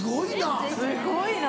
すごいな！